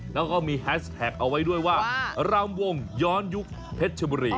แล้วก็มีแฮชแท็กเอาไว้ด้วยว่ารำวงย้อนยุคเพชรชบุรี